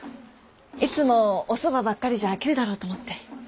いつもおそばばっかりじゃ飽きるだろうと思って。